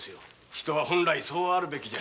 人は本来そうあるべきじゃ。